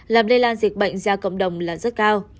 làm lây lan dịch bệnh ra cộng đồng là rất cao